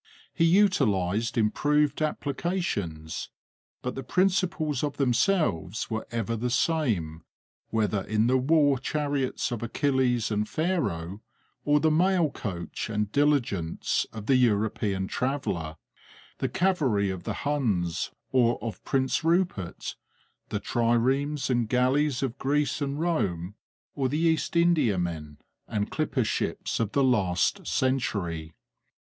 He utilized improved applications, but the principles of themselves were ever the same, whether in the war chariots of Achilles and Pharaoh or the mail coach and diligence of the European traveller, the cavalry of the Huns or of Prince Rupert, the triremes and galleys of Greece and Rome or the East India men and clipper ships of the last century.